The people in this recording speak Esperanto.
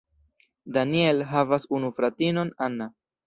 Daniel havas unu fratinon Anna.